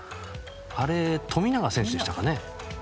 富永選手でしたかね？